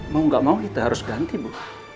mau gak mau kita harus ganti bu